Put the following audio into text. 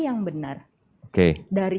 yang benar dari